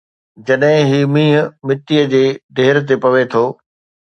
جڏهن هي مينهن مٽيءَ جي ڍير تي پوي ٿو